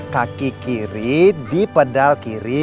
kaki kiri di pedal kiri